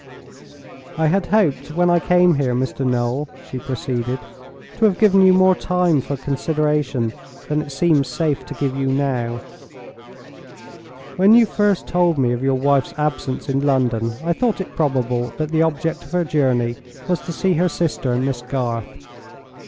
"I had hoped, when I came here, Mr. Noel," she proceeded, "to have given you more time for consideration than it seems safe to give you now. When you first told me of your wife's absence in London, I thought it probable that the object of her journey was to see her sister and Miss Garth.